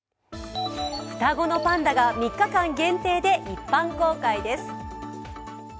双子のパンダが３日間限定で一般公開です。